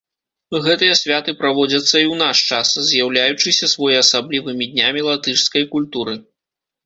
Гэтыя святы праводзяцца і ў наш час, з'яўляючыся своеасаблівымі днямі латышскай культуры.